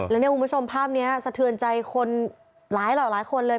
และในมุมชมภาพนี้สะเทือนใจคนหลายหลายคนเลย